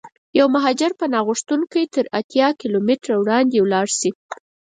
که یو مهاجر پناه غوښتونکی تر اتیا کیلومترو وړاندې ولاړشي.